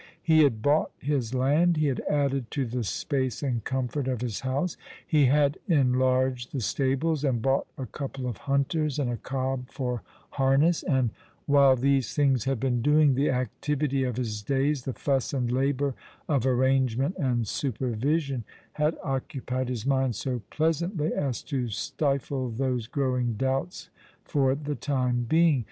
He had bought his land ; he had added to the space and comfort of his house ; he had enlarged the stables, and bought a couple of hunters, and a cob for harness ; and while these things had been doing, the activity of his days, the fuss and labour of arrangement and supervision, had occupied his mind so pleasantly as to stifle those growing doubts for the time being.